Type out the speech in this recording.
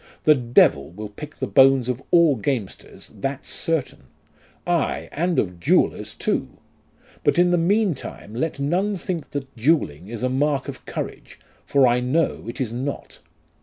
The Devil will pick the bones of all gamesters, that's certain. ... Ay ! and of duellers too, but in the meantime let none think that duelling is a mark of courage ; for I know it is not.